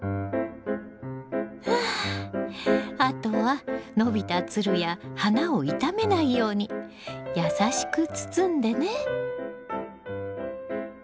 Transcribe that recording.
はああとは伸びたツルや花を傷めないようにやさしく包んでね。